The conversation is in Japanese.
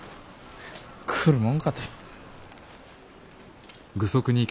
来るもんかて。